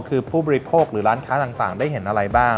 คือผู้บริโภคหรือร้านค้าต่างได้เห็นอะไรบ้าง